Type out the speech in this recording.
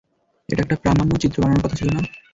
এটা একটা প্রামাণ্যচিত্র বানানোর কথা ছিলো না?